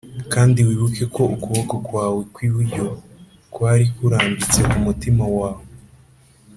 kandi wibuke ko ukuboko kwawe kwiburyo kwari kurambitse kumutima wawe!!